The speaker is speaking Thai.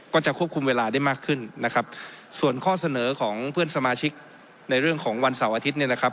ก็จะควบคุมเวลาได้มากขึ้นนะครับส่วนข้อเสนอของเพื่อนสมาชิกในเรื่องของวันเสาร์อาทิตย์เนี่ยนะครับ